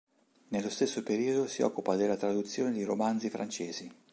Nello stesso periodo si occupa della traduzione di romanzi francesi.